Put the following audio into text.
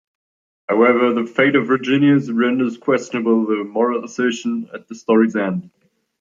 However, the fate of Virginius renders questionable the moral assertion at the story's end.